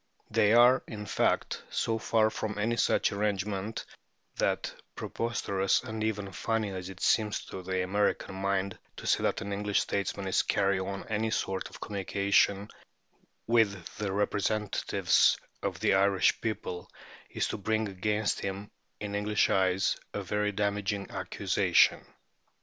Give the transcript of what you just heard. They are, in fact, so far from any such arrangement that preposterous and even funny as it seems to the American mind to say that an English statesman is carrying on any sort of communication with the representatives of the Irish people is to bring against him, in English eyes, a very damaging accusation.